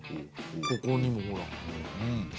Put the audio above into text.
ここにもほら。